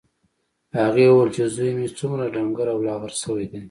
هغې وویل چې زوی مې څومره ډنګر او لاغر شوی دی